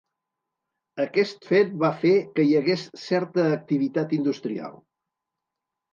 Aquest fet va fer que hi hagués certa activitat industrial.